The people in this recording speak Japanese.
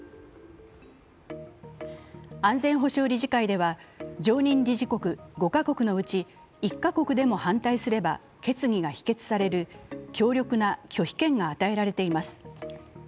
安全保障理事会では常任理事国５か国のうち１か国でも反対すれば決議が否決される、強力な拒否権が与えられています。